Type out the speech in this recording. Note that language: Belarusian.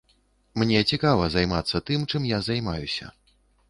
Мне цікава займацца тым, чым я займаюся.